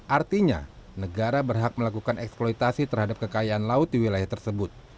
artinya negara berhak melakukan eksploitasi terhadap kekayaan laut di wilayah tersebut